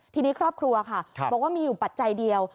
ทีนี้ครอบครัวค่ะบอกว่ามีอยู่ปัจจัยเดียว